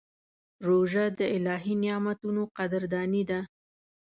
روژه د الهي نعمتونو قدرداني ده.